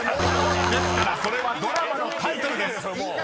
［ですからそれはドラマのタイトルです］